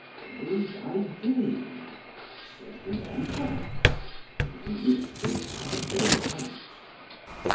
"Play thy game," said the Emperor. And the youth returned to the tent.